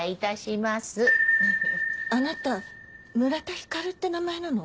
あなた村田光って名前なの？